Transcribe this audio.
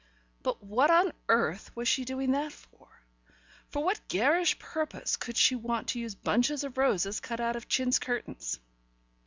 But what on earth was she doing that for? For what garish purpose could she want to use bunches of roses cut out of chintz curtains?